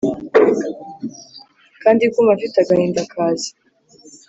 kandi kumva mfite agahinda kaza